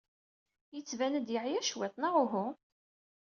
Yettban-d yeɛya cwiṭ, neɣ uhu?